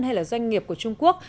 hay doanh nghiệp của trung quốc